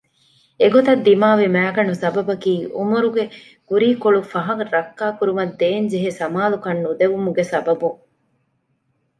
އެގޮތަށް ދިމާވި މައިގަނޑު ސަބަބަކީ ޢުމުރުގެ ކުރީ ކޮޅު ފަހަށް ރައްކާކުރުމަށް ދޭންޖެހޭ ސަމާލުކަން ނުދެވުމުގެ ސަބަބުން